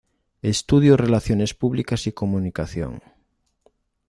Estudio Relaciones Públicas y Comunicación.